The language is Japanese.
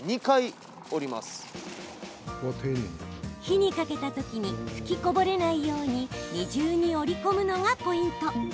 火にかけたときに吹きこぼれないように二重に折り込むのがポイント。